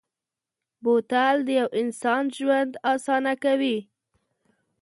بوتل د یو انسان ژوند اسانه کوي.